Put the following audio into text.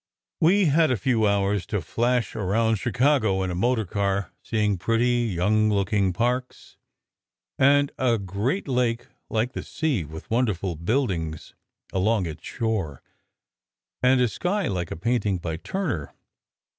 We had a few hours to flash round Chicago in a motor car, seeing pretty, young looking parks, and a great lake SECRET HISTORY 163 like the sea with wonderful buildings along its shore, and a sky like a painting by Turner.